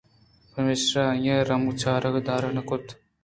پمیشا آئی ءَ رمگ چَراگ ءَ در نہ کُت